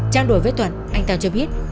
trao đổi với thuận anh tào cho biết